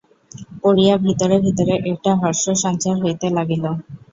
পড়িয়া ভিতরে ভিতরে একটা হর্ষসঞ্চার হইতে লাগিল।